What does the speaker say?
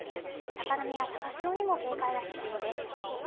高波や高潮にも警戒が必要です